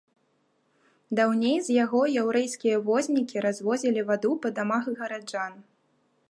Даўней з яго яўрэйскія вознікі развозілі ваду па дамах гараджан.